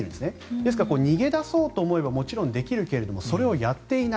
ですから、逃げ出そうと思えばもちろんできるけれどもそれをやっていない。